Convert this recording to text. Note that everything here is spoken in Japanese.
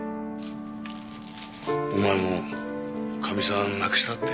お前もかみさん亡くしたって？